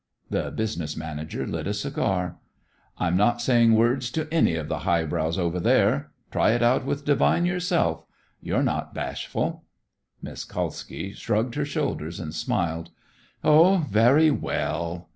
The business manager lit a cigar. "I'm not saying words to any of the high brows over there. Try it out with Devine yourself. You're not bashful." Miss Kalski shrugged her shoulders and smiled. "Oh, very well."